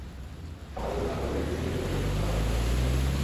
খাবারের দোকান করলে ডিসি হিলের পরিবেশ নষ্ট হওয়ার আশঙ্কা করছে জেলা প্রশাসন।